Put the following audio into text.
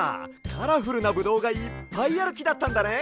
カラフルなブドウがいっぱいあるきだったんだね。